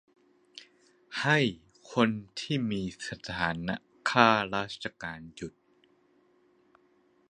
- ให้คนที่มีสถานะข้าราชการหยุด